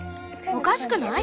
おかしくない？